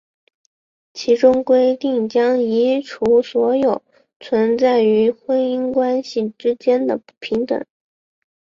其中规定将移除所有存在于婚姻关系之间的不平等。